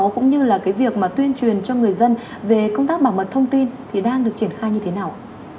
cũng như là cái việc mà tuyên truyền cho người dân về công tác bảo mật thông tin thì đang được triển khai như thế nào